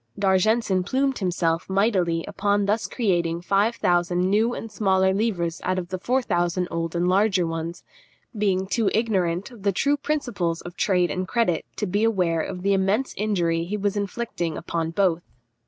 D'Argenson plumed himself mightily upon thus creating five thousand new and smaller livres out of the four thousand old and larger ones, being too ignorant of the true principles of trade and credit to be aware of the immense injury he was inflicting upon both.